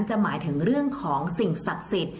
จะหมายถึงเรื่องสิ่งศักดิ์ศึกษ์